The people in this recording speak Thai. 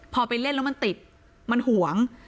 พอไปเล่นแล้วมันติดมันห่วง